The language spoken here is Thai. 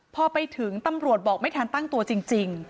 พอไปถึงตำรวจบอกไม่ทันตั้งตัวจริง